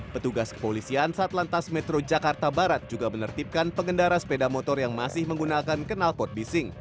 petugas kepolisian satlantas metro jakarta barat juga menertibkan pengendara sepeda motor yang masih menggunakan kenalpot bising